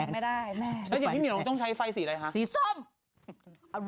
มันถูกเห็นไม่ได้แม่